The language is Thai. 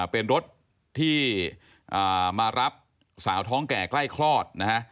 เป็นรถที่มารับสาวท้องแก่ใกล้คลอดนะฮะ